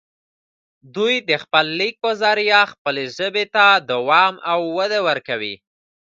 دوي دَ خپل ليک پۀ زريعه خپلې ژبې ته دوام او وده ورکوي